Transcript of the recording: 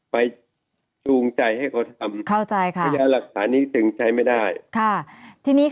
ไปชูงใจให้เขาทำปัญญาหลักฐานนี้ถึงใช้ไม่ได้